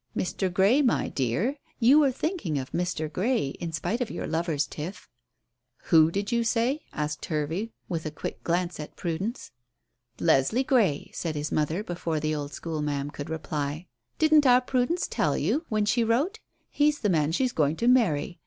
"Mr. Grey, my dear you were thinking of Mr. Grey, in spite of your lover's tiff." "Who did you say?" asked Hervey, with a quick glance at Prudence. "Leslie Grey," said his mother, before the old school ma'am could reply. "Didn't our Prudence tell you when she wrote? He's the man she's going to marry.